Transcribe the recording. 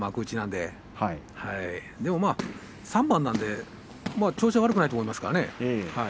でも３番なので調子は悪くないと思いますがね。